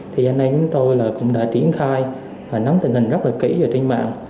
thì hiện nay chúng tôi cũng đã triển khai nắm tình hình rất là kỹ trên mạng